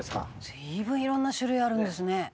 「随分色んな種類あるんですね」